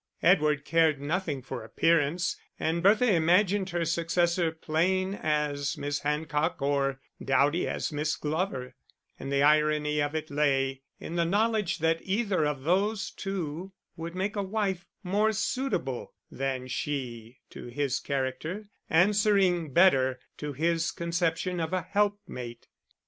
Edward cared nothing for appearance, and Bertha imagined her successor plain as Miss Hancock or dowdy as Miss Glover; and the irony of it lay in the knowledge that either of those two would make a wife more suitable than she to his character, answering better to his conception of a helpmate.